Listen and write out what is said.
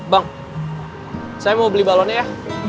bang saya mau beli balonnya ya